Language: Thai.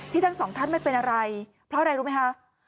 ทั้งสองท่านไม่เป็นอะไรเพราะอะไรรู้ไหมคะ